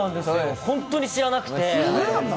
本当に知らなくて。